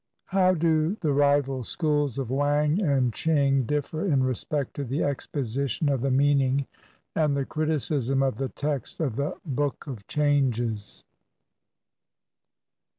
How do the rival schools of Wang and Ching differ in respect to the exposition of the meaning and the criticism of the text of the "Book of Changes"?